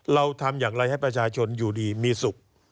เราทำอย่างไรให้ประชาชนอยู่ดีมีสุข